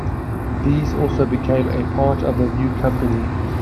These also became a part of the new company.